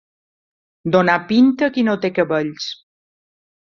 Donar pinta a qui no té cabells.